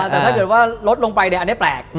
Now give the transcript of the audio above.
แต่ถ้าเกิดว่าลดลงไปอันนี้แปลก